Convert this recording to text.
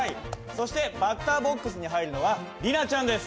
そしてバッターボックスに入るのは里奈ちゃんです。